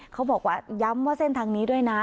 เขาบอกว่าย้ำว่าเส้นทางนี้ด้วยนะ